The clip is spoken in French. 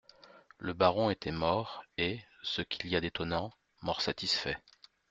Le baron était mort, et, ce qu'il y a d'étonnant, mort satisfait.